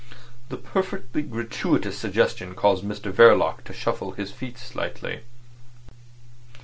This perfectly gratuitous suggestion caused Mr Verloc to shuffle his feet slightly.